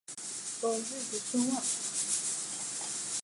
有弟子孙望。